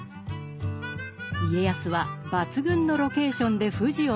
家康は抜群のロケーションで富士を見せた。